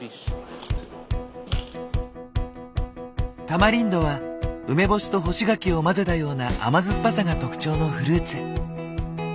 タマリンドは梅干しと干し柿を混ぜたような甘酸っぱさが特徴のフルーツ。